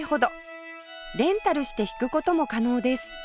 レンタルして弾く事も可能です